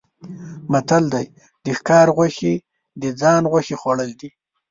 متل دی: د ښکار غوښې د ځان غوښې خوړل دي.